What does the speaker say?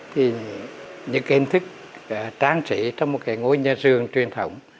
thì những cái hình thức tráng trĩ trong một cái ngôi nhà dương truyền thống